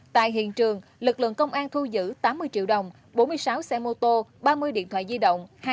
tại hiện trường lực lượng công an thu giữ tám mươi triệu đồng bốn mươi sáu xe mô tô ba mươi điện thoại di động